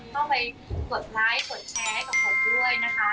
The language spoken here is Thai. เข้าไปกดไลค์กดแชร์ให้กับผมด้วยนะคะ